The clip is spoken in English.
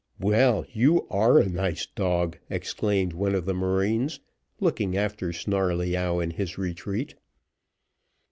"Well, you are a nice dog," exclaimed one of the marines, looking after Snarleyyow in his retreat.